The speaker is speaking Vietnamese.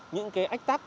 những cái ách tắc